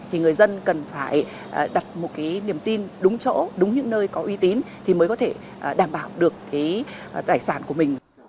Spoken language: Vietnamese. thì người dân cần phải đặt một cái niềm tin đúng chỗ đúng những nơi có uy tín thì mới có thể đảm bảo được cái tài sản của mình